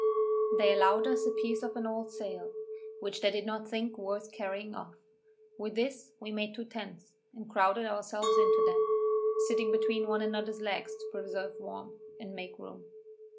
They allowed us a piece of an old sail, which they did not think worth carrying off; with this we made two tents, and crowded ourselves into them, sitting between one another's legs to preserve warmth, and make room.